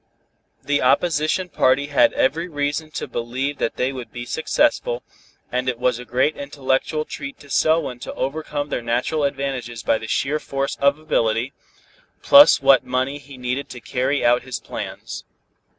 The opposition party had every reason to believe that they would be successful, and it was a great intellectual treat to Selwyn to overcome their natural advantages by the sheer force of ability, plus what money he needed to carry out his plans.